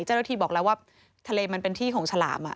เจ้าหน้าที่บอกแล้วว่าทะเลมันเป็นที่ของฉลาม